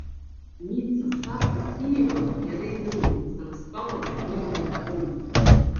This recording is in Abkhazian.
Ница сарԥыс ииҳәо иара идыруеит, сара стәала уи дынхом.